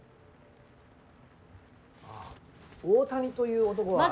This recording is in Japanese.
あ大谷という男は。